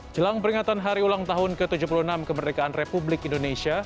jelang peringatan hari ulang tahun ke tujuh puluh enam kemerdekaan republik indonesia